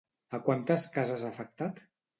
A quantes cases ha afectat?